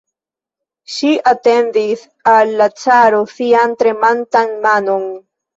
Ŝi etendis al la caro sian tremantan manon.